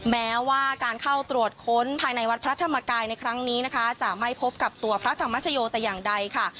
แม้ว่าการเข้าตรวจค้นภายในวัดพระธรรมกายในครั้งนี้นะคะจะไม่พบกับตัวพระธรรมชโยแต่อย่างใดค่ะ